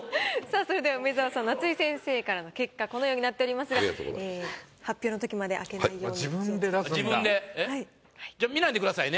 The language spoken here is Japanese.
さあそれでは梅沢さん夏井先生からの結果このようになっておりますが発表の時まで開けないように気をつけてくださいね。